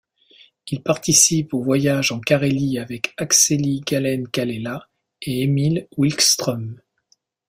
Il participe aux voyages en Carélie avec Akseli Gallen-Kallela et Emil Wikström.